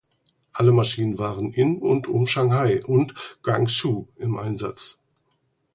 Alle Maschinen waren in und um Shanghai und Guangzhou im Einsatz.